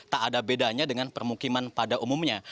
tak ada bedanya dengan permukiman pada umumnya